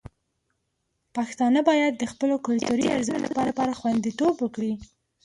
پښتانه باید د خپلو کلتوري ارزښتونو لپاره خوندیتوب وکړي.